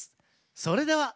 それでは。